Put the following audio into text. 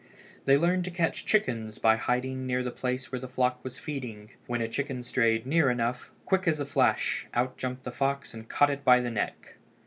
They learned to catch chickens by hiding near the place where the flock was feeding. When a chicken strayed near enough quick as a flash out jumped the fox and caught it by the neck.